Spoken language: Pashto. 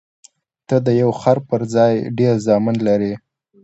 ته د یو خر پر ځای ډېر زامن لرې.